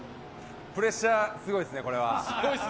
プレッシャーすごいですね、これは。